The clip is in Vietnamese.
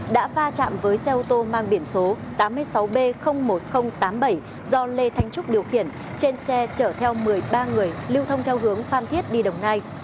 đã va chạm với xe ô tô mang biển số tám mươi sáu b một nghìn tám mươi bảy do lê thanh trúc điều khiển trên xe chở theo một mươi ba người lưu thông theo hướng phan thiết đi đồng nai